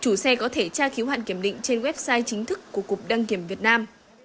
chủ xe có thể tra khiếu hạn kiểm định trên website chính thức của cục đăng kiểm việt nam